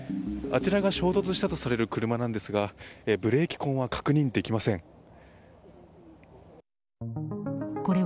あちらが衝突したとされる車ですがブレーキ痕は確認できません。